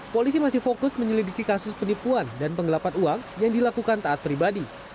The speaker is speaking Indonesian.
polisi masih fokus menyelidiki kasus penipuan dan penggelapan uang yang dilakukan taat pribadi